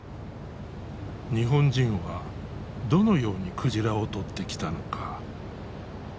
日本人はどのように鯨を獲ってきたのか。